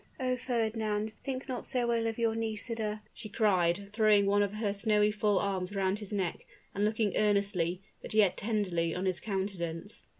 "Oh! Fernand, think not so ill of your Nisida!" she cried, throwing one of her snowy full arms round his neck, and looking earnestly, but yet tenderly on his countenance.